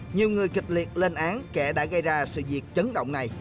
nhiều người kịch liệt lên án kẻ đã gây ra sự việc chấn động này